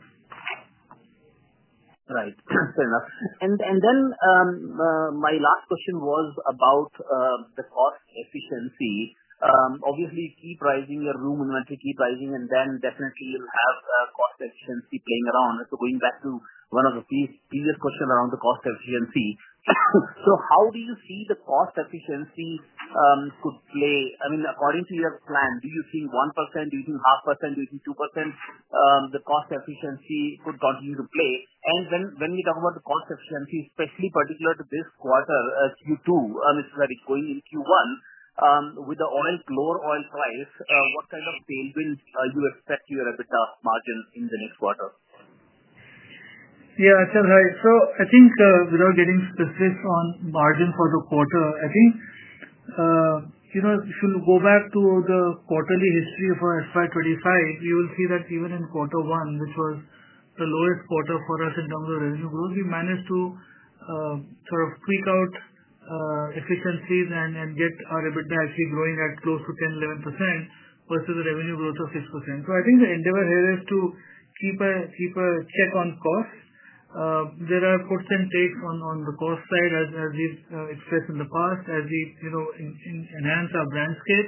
Right. Fair enough. My last question was about the cost efficiency. Obviously, keep rising your room inventory, keep rising, and then definitely you'll have cost efficiency playing around. Going back to one of the previous questions around the cost efficiency, how do you see the cost efficiency could play? I mean, according to your plan, do you think 1%, do you think half %, do you think 2% the cost efficiency could continue to play? When we talk about the cost efficiency, especially particular to this quarter, Q2, I mean, sorry, going into Q1 with the lower oil price, what kind of tailwinds do you expect you have with the margin in the next quarter? Yeah. I think without getting specific on margin for the quarter, I think if you go back to the quarterly history of our FY 2025, you will see that even in quarter one, which was the lowest quarter for us in terms of revenue growth, we managed to sort of tweak out efficiencies and get our EBITDA actually growing at close to 10%-11% versus the revenue growth of 6%. I think the endeavor here is to keep a check on cost. There are puts and takes on the cost side, as we've expressed in the past, as we enhance our brand scale.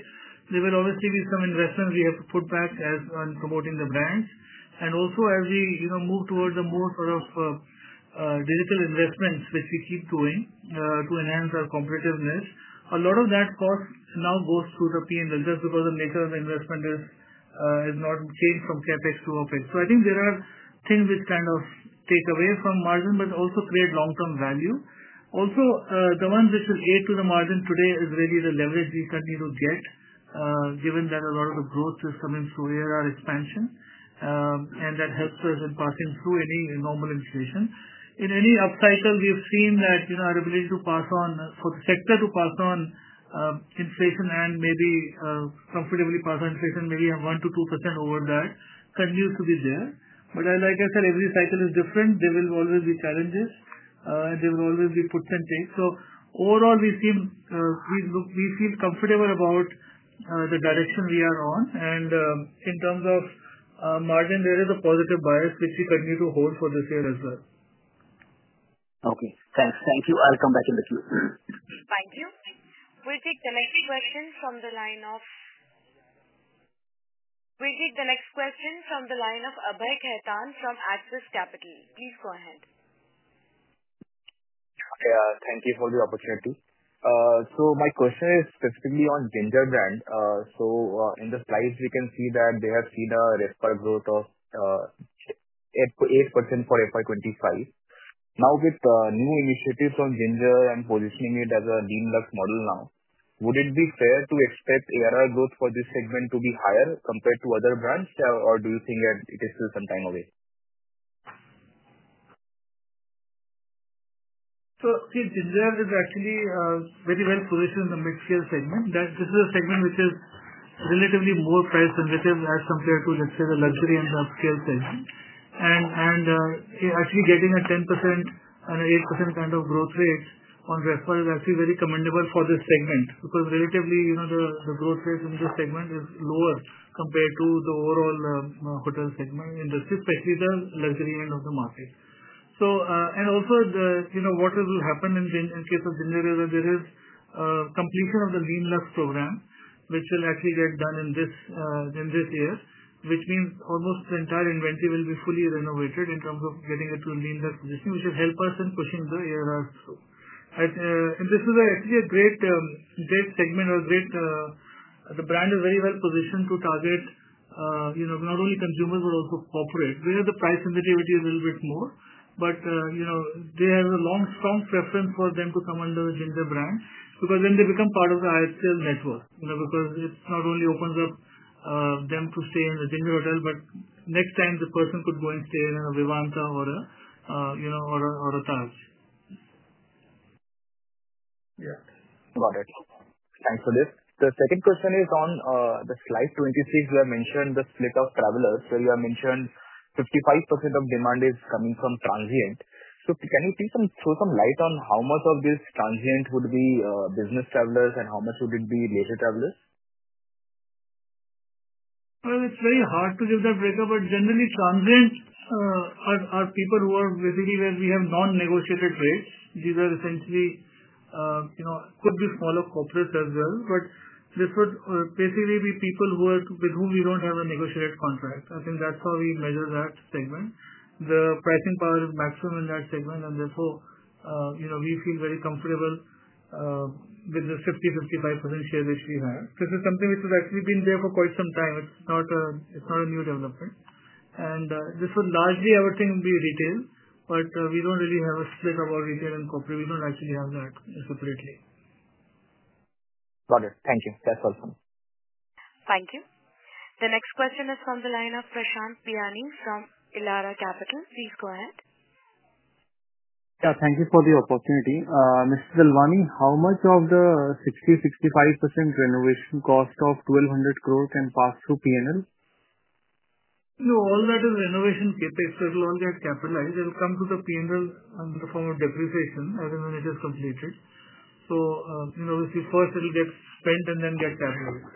There will obviously be some investments we have to put back on promoting the brands. Also, as we move towards the more sort of digital investments, which we keep doing to enhance our competitiveness, a lot of that cost now goes through the P&L just because the nature of the investment has not changed from CapEx to OpEx. I think there are things which kind of take away from margin but also create long-term value. Also, the ones which will add to the margin today is really the leverage we continue to get, given that a lot of the growth is coming through our expansion, and that helps us in passing through any normal inflation. In any upcycle, we have seen that our ability to pass on for the sector to pass on inflation and maybe comfortably pass on inflation, maybe 1-2% over that, continues to be there. Like I said, every cycle is different. There will always be challenges, and there will always be puts and takes. Overall, we feel comfortable about the direction we are on. In terms of margin, there is a positive bias which we continue to hold for this year as well. Okay. Thanks. Thank you. I'll come back in the queue. Thank you. We'll take the next question from the line of Abhay Khaitan from Axis Capital. Please go ahead. Thank you for the opportunity. My question is specifically on Ginger brand. In the slides, we can see that they have seen a RevPAR growth of 8% for FY25. Now, with the new initiatives on Ginger and positioning it as a Lean Luxe model now, would it be fair to expect ARR growth for this segment to be higher compared to other brands, or do you think that it is still some time away? Ginger is actually very well positioned in the mid-scale segment. This is a segment which is relatively more price sensitive as compared to, let's say, the luxury and the upscale segment. Actually, getting a 10% and an 8% kind of growth rate on RevPAR is actually very commendable for this segment because relatively the growth rate in this segment is lower compared to the overall hotel segment, especially the luxury end of the market. What will happen in the case of Ginger is that there is completion of the Lean Luxe program, which will actually get done in this year, which means almost the entire inventory will be fully renovated in terms of getting it to a Lean Luxe position, which will help us in pushing the ARR. This is actually a great segment or a great, the brand is very well positioned to target not only consumers but also corporate. Where the price sensitivity is a little bit more, but they have a long, strong preference for them to come under the Ginger brand because then they become part of the IHCL network because it not only opens up them to stay in the Ginger hotel, but next time the person could go and stay in a Vivanta or a Taj. Yeah. Got it. Thanks for this. The second question is on the slide 26, where I mentioned the split of travelers, where you have mentioned 55% of demand is coming from transient. Can you throw some light on how much of this transient would be business travelers and how much would it be leisure travelers? It's very hard to give that breakup, but generally, transient are people who are basically where we have non-negotiated rates. These essentially could be smaller corporates as well, but this would basically be people with whom we don't have a negotiated contract. I think that's how we measure that segment. The pricing power is maximum in that segment, and therefore, we feel very comfortable with the 50-55% share which we have. This is something which has actually been there for quite some time. It's not a new development. This would largely, I would think, be retail, but we do not really have a split of our retail and corporate. We do not actually have that separately. Got it. Thank you. That is awesome. Thank you. The next question is from the line of Prashant Biyani from Elara Capital. Please go ahead. Yeah. Thank you for the opportunity. Mr. Dalwani, how much of the 60-65% renovation cost of 1,200 crore can pass through P&L? No, all that is renovation CapEx. It will all get capitalized. It will come to the P&L in the form of depreciation as and when it is completed. Obviously, first, it will get spent and then get capitalized.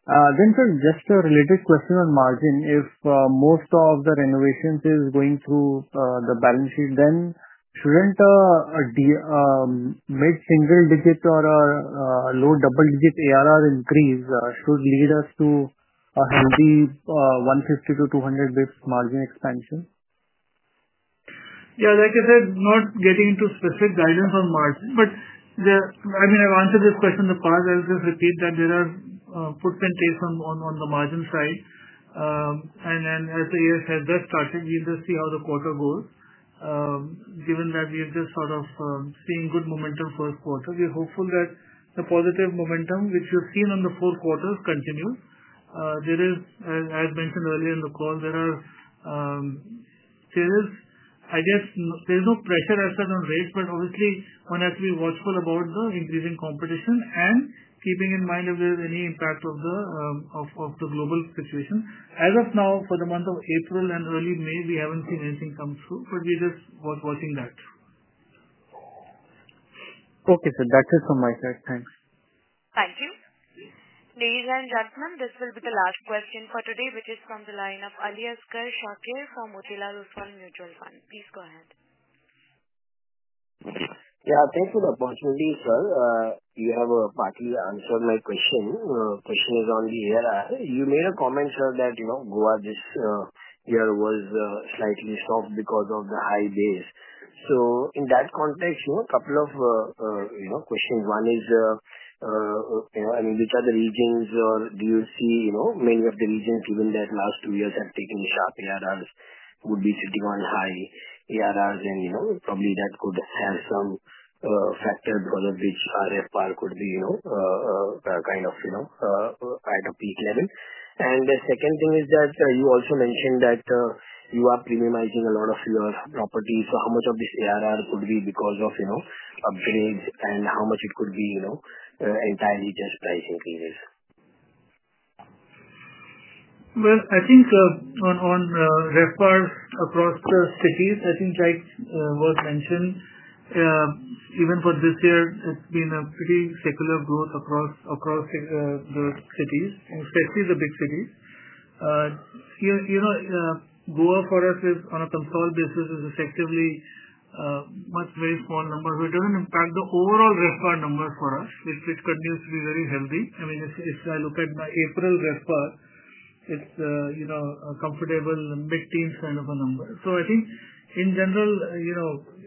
Sir, just a related question on margin. If most of the renovations is going through the balance sheet, then shouldn't a mid-single-digit or a low double-digit ARR increase lead us to a healthy 150 to 200 basis points margin expansion? Yeah. Like I said, not getting into specific guidance on margin, but I mean, I've answered this question in the past. I'll just repeat that there are puts and takes on the margin side. As the year has just started, we'll just see how the quarter goes. Given that we've just sort of seen good momentum first quarter, we're hopeful that the positive momentum, which we've seen on the four quarters, continues. There is, as mentioned earlier in the call, I guess, there's no pressure, as such, on rates, but obviously, one has to be watchful about the increasing competition and keeping in mind if there's any impact of the global situation. As of now, for the month of April and early May, we haven't seen anything come through, but we're just watching that. Okay, sir. That's it from my side. Thanks. Thank you. Ladies and gentlemen, this will be the last question for today, which is from the line of Aliasgar Shakir from Motilal Oswal. Please go ahead. Yeah. Thank you for the opportunity, sir. You have partly answered my question. The question is on the ARR. You made a comment, sir, that Goa this year was slightly soft because of the high base. In that context, a couple of questions. One is, I mean, which are the regions or do you see many of the regions, given that last two years have taken sharp ARRs, would be sitting on high ARRs, and probably that could have some factor because of which RevPAR could be kind of at a peak level. The second thing is that you also mentioned that you are premiumizing a lot of your properties. So how much of this ARR could be because of upgrades and how much it could be entirely just price increases? I think on RevPARs across the cities, I think, like was mentioned, even for this year, it's been a pretty secular growth across the cities, especially the big cities. Goa, for us, is on a consolidated basis, is effectively a very small number. It does not impact the overall RevPAR numbers for us, which continues to be very healthy. I mean, if I look at the April RevPAR, it's a comfortable mid-teens kind of a number. I think, in general,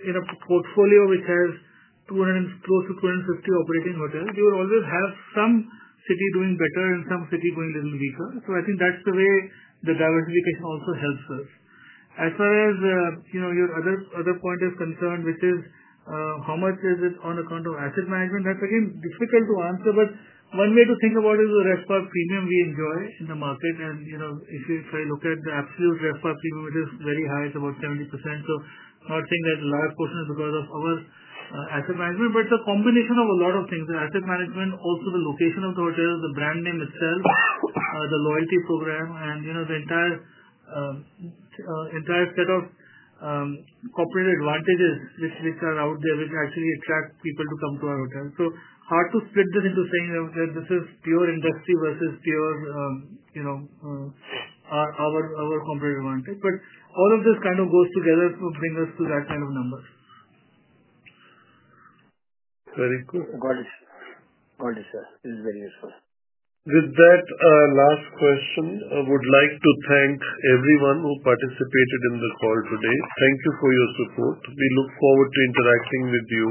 in a portfolio which has close to 250 operating hotels, you will always have some city doing better and some city doing a little weaker. I think that's the way the diversification also helps us. As far as your other point of concern, which is how much is it on account of asset management, that's, again, difficult to answer, but one way to think about it is the RevPAR premium we enjoy in the market. If you try to look at the absolute RevPAR premium, it is very high. It's about 70%. Not saying that a large portion is because of our asset management, but it's a combination of a lot of things. The asset management, also the location of the hotel, the brand name itself, the loyalty program, and the entire set of corporate advantages which are out there which actually attract people to come to our hotel. Hard to split this into saying that this is pure industry versus pure our corporate advantage, but all of this kind of goes together to bring us to that kind of number. Very good. Got it, sir. Got it, sir. This is very useful. With that, last question. I would like to thank everyone who participated in the call today. Thank you for your support. We look forward to interacting with you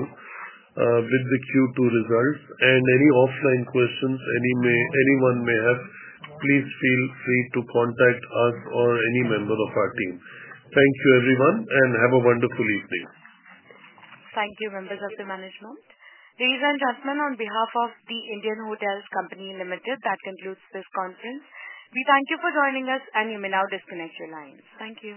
with the Q2 results. Any offline questions anyone may have, please feel free to contact us or any member of our team. Thank you, everyone, and have a wonderful evening. Thank you, members of the management. Ladies and gentlemen, on behalf of the Indian Hotels Company Limited, that concludes this conference. We thank you for joining us, and you may now disconnect your lines. Thank you.